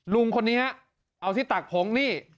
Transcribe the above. ลุงคนนี้เอาที่ตักพร้องนี่